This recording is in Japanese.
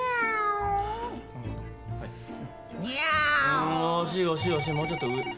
うん惜しい惜しい惜しいもうちょっと。